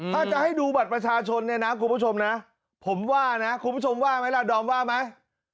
ถ้าจะให้ดูบัตรประชาชนเนี่ยนะคุณผู้ชมนะผมว่านะคุณผู้ชมว่าไหมล่ะดอมว่าไหม